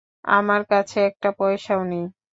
আমার কাছে একটা পয়সাও নেই।